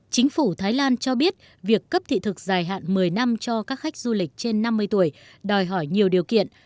chính phủ thái lan cho biết việc cấp thị thực dài hạn một mươi năm cho các khách du lịch trên năm mươi tuổi đòi hỏi nhiều điều kiện